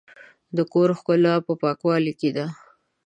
د کور ښکلا په پاکوالي کې ده.